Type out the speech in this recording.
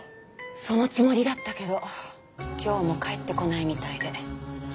そのつもりだったけど今日も帰ってこないみたいで。